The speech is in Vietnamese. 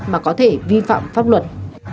mà có thể vi phạm pháp luật